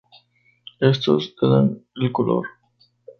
Estos le dan el color.